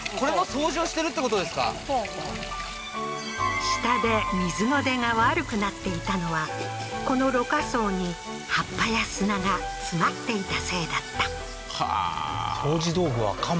そうそう下で水の出が悪くなっていたのはこのろ過槽に葉っぱや砂が詰まっていたせいだったはあー掃除道具は鎌？